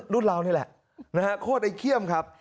รุ่นเรานี่แหละโคตรไอ้เขี้ยมครับ